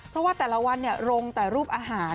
เพราะว่าแต่ละวันลงแต่รูปอาหาร